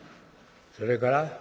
それから？」。